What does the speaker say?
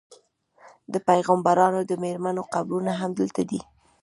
د پیغمبرانو د میرمنو قبرونه هم دلته دي.